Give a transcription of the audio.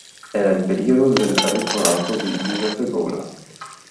Era il periodo del rettorato di Giuseppe Gola.